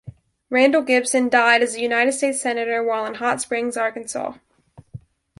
Randall Gibson died as a United States senator while in Hot Springs, Arkansas.